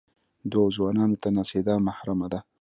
دوو ځوانان ته نڅېدا محرمه ده.